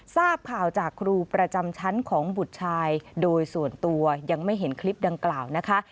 ทราบข่าวจากครูประจำชั้นของบุตรชายโดยส่วนตัวยังไม่เห็นคลิปดังกล่าวนะคะ